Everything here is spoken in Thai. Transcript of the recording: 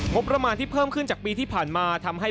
งบประมาณที่เพิ่มขึ้นจากปีที่ผ่านมาทำให้